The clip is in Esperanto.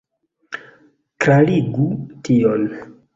Klarigu tion.